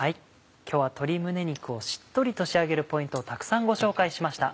今日は鶏胸肉をしっとりと仕上げるポイントをたくさんご紹介しました。